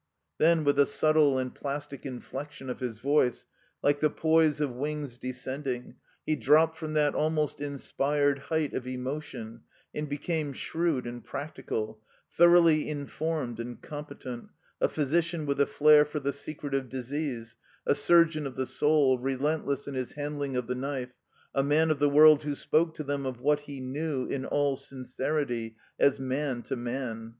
Then, with a subtle and plastic inflection of his voice, like the poise of wings descending, he dropped from that almost inspired height of emotion, and became shrewd and practical, thoroughly informed and competent, a physician with a flair for the secret of disease, a surgeon of the Soul, relentless in his handling of the knife, a man of the world w^ho spoke to them of what he knew, in all sincerity, as man to man.